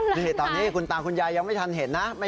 นี่ตอนนี้คุณตาคุณยายยังไม่ทันเห็นนะ